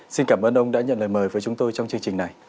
xin cảm ơn ông đã nhận lời mời với chúng tôi trong chương trình này